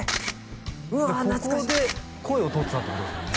うわ懐かしいここで声をとってたってことですもんね